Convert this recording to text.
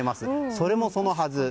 それもそのはず